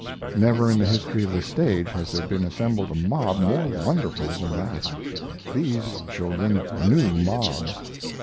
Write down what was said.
Never in the history of the stage has there been assembled a mob more wonderful than that. These children knew mobs!